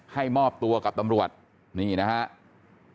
มอบตัวกับตำรวจนี่นะครับ